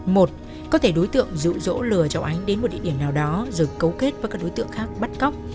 một có thể đối tượng rụ rỗ lừa cháu ánh đến một địa điểm nào đó rồi cấu kết với các đối tượng khác bắt cóc